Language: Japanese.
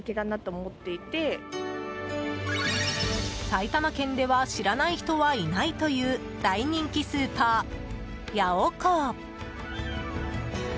埼玉県では知らない人はいないという大人気スーパー、ヤオコー。